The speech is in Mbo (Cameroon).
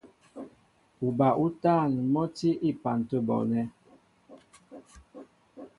Uba útân mɔ́ tí á epan tə̂ bɔɔnɛ́.